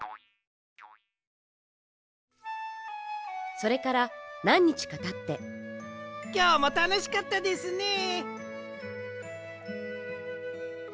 それからなんにちかたってきょうもたのしかったですねえ。